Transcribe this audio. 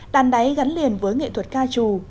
đàn đáy gắn liền với nghệ thuật ca trù